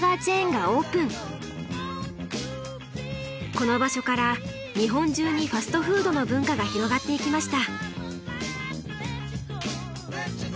この場所から日本中にファストフードの文化が広がっていきました。